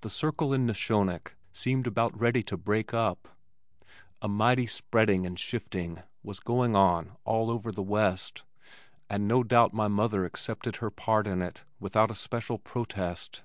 The circle in Neshonoc seemed about to break up. A mighty spreading and shifting was going on all over the west, and no doubt my mother accepted her part in it without especial protest.